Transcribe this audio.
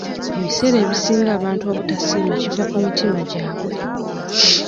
Ebiseera ebisinga abantu obutasiima kiva ku mitima gyabwe.